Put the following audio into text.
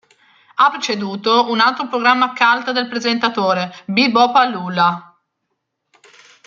Ha preceduto un altro programma "cult" del presentatore, "Be Bop a Lula".